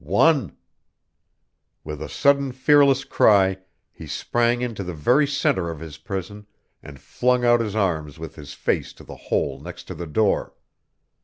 One! With a sudden fearless cry he sprang into the very center of his prison, and flung out his arms with his face to the hole next the door.